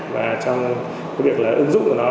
và trong việc là ứng dụng của nó